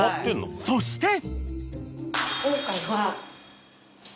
［そして］